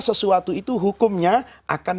sesuatu itu hukumnya akan